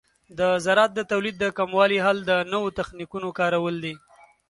د زراعت د تولید د کموالي حل د نوو تخنیکونو کارول دي.